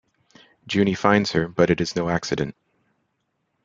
Juni finds her, but it is no accident.